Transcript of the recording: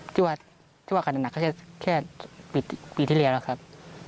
ชื่อว่าชื่อว่าการหนักแค่ปีที่แล้วแล้วครับ